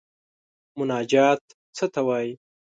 مناجات څه ته وايي.